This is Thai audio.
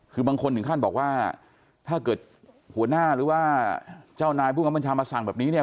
คือบางคนถึงขั้นบอกว่าถ้าเกิดหัวหน้าหรือว่าเจ้านายผู้กำบัญชามาสั่งแบบนี้เนี่ย